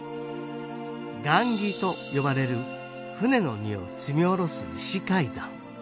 雁木と呼ばれる船の荷を積み降ろす石階段。